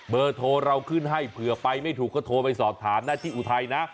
เบอร์โทรเราขึ้นให้เผื่อไปไม่ถูกก็โทรไปสอบถามนะที่อุทัยนะ